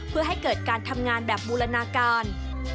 เพื่อให้เกิดการทำงานแบบบูรณาการ